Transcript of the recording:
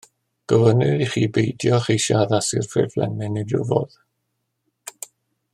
Gofynnir ichi beidio â cheisio addasu'r ffurflen mewn unrhyw fodd